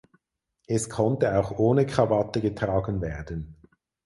Es konnte auch ohne Krawatte getragen werden.